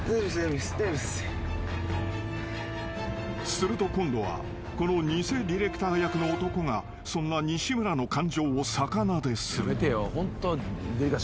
［すると今度はこの偽ディレクター役の男がそんな西村の感情を逆なでする］